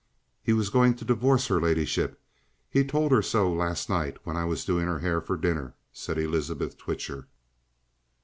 "He was going to divorce her ladyship. He told her so last night when I was doing her hair for dinner," said Elizabeth Twitcher.